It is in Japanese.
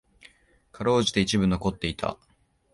辛うじて一部残っていた。